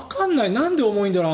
なんで重いんだろう。